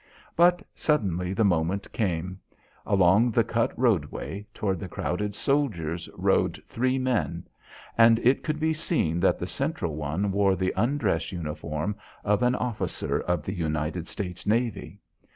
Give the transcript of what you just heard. But suddenly the moment came. Along the cut roadway, toward the crowded soldiers, rode three men, and it could be seen that the central one wore the undress uniform of an officer of the United States navy.